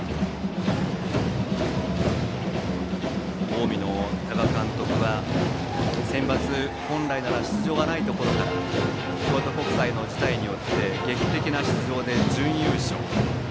近江の多賀監督はセンバツ、本来なら出場がないところから京都国際の辞退によって劇的な出場で準優勝。